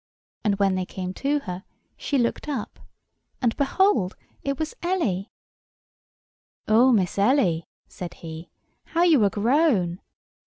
And when they came to her she looked up, and behold it was Ellie. "Oh, Miss Ellie," said he, "how you are grown!"